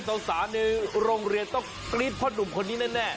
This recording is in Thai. สาวในโรงเรียนต้องกรี๊ดเพราะหนุ่มคนนี้แน่